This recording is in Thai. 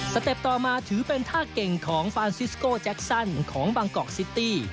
เต็ปต่อมาถือเป็นท่าเก่งของฟานซิสโก้แจ็คซันของบางกอกซิตี้